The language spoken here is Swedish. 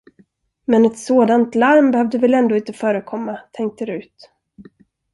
Men ett sådant larm behövde väl ändå inte förekomma, tänkte Rut.